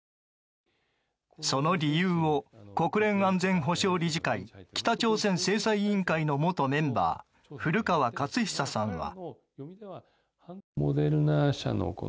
その理由を国連安全保障理事会北朝鮮制裁委員会の元メンバー古川勝久さんは。